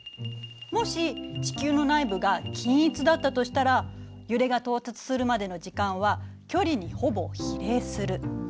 もし地球の内部が均一だったとしたら揺れが到達するまでの時間は距離にほぼ比例する。